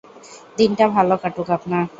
দিনটা ভালো কাটুক আপনার!